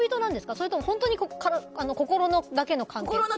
それとも本当に心だけの関係？